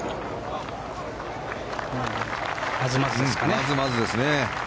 まずまずですかね。